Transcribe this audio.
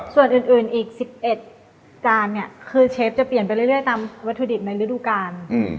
ส่วนอื่นอีก๑๑จานเนี่ยคือเชฟจะเปลี่ยนไปเรื่อยตามวัตถุดิบในฤดูกาล